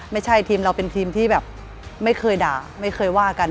ไม่ใช่ทีมเราเป็นทีมที่แบบไม่เคยด่าไม่เคยว่ากัน